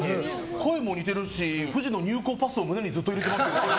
声も似てるし、フジのパスを胸にずっと入れてますね。